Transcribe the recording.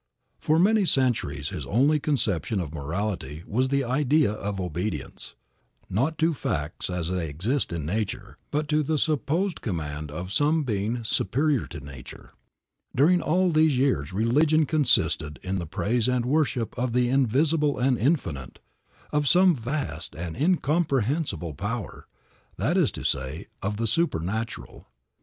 For many centuries his only conception of morality was the idea of obedience, not to facts as they exist in nature, but to the supposed command of some being superior to nature. During all these years religion consisted in the praise and worship of the invisible and infinite, of some vast and incomprehensible power, that is to say, of the supernatural.